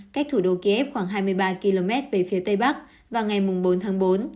cách thủ đô kiev khoảng hai mươi ba km về phía tây bắc vào ngày bốn tháng bốn